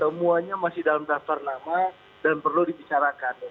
semuanya masih dalam daftar nama dan perlu dibicarakan